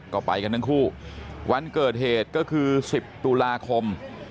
ก็ไปกันทั้งคู่วันเกิดเหตุก็คือ๑๐ตุลาคม